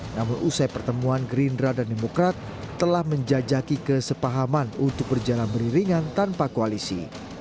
namun usai pertemuan gerindra dan demokrat telah menjajaki kesepahaman untuk berjalan beriringan tanpa koalisi